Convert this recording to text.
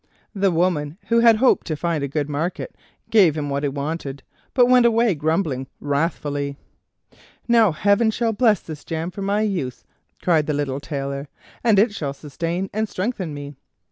The woman, who had hoped to find a good market, gave him what he wanted, but went away grumbling wrathfully. "Now Heaven shall bless this jam for my use," cried the little Tailor, "and it shall sustain and strengthen me."